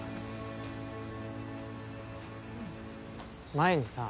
前にさ。